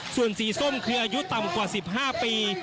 ส่วนสีส้มคืออายุต่ำกว่า๑๕ปี